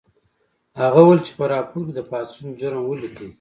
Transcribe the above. هغه وویل چې په راپور کې د پاڅون جرم ولیکئ